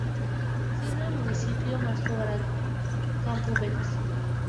Siendo el Municipio más poblado Campos Belos.